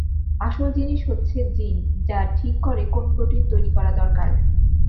আসল জিনিস হচ্ছে জীন, যা ঠিক করে কোন প্রোটিন তৈরি করা দরকার।